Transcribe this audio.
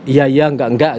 ya ya enggak enggak